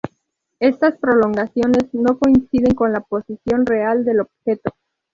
Estas prolongaciones no coinciden con la posición real del objeto.